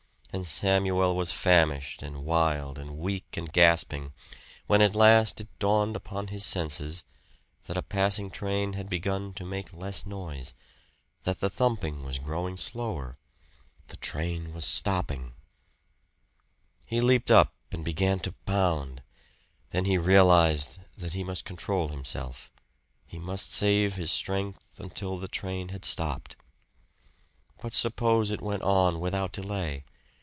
And Samuel was famished and wild and weak and gasping; when at last it dawned upon his senses that a passing train had begun to make less noise that the thumping was growing slower. The train was stopping. He leaped up and began to pound. Then he realized that he must control himself he must save his strength until the train had stopped. But suppose it went on without delay?